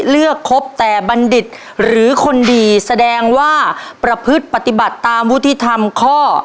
คบแต่บัณฑิตหรือคนดีแสดงว่าประพฤติปฏิบัติตามวุฒิธรรมข้อ